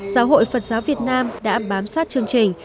giáo hội phật giáo việt nam đã bám sát chương trình